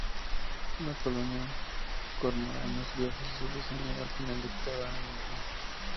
Una colonia de cormoranes de ojos azules anida al final de cada año allí.